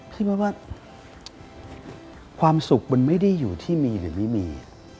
คิดว่าความสุขมันไม่ได้อยู่ที่มีหรือไม่มี